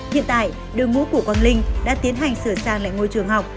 hiện tại đội ngũ của quang linh đã tiến hành sửa sang lại ngôi trường học